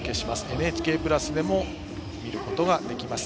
「ＮＨＫプラス」でも見ることができます。